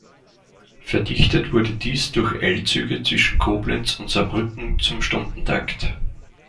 Verdichtet wurde dies durch Eilzüge zwischen Koblenz und Saarbrücken zum Stundentakt.